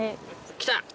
来た！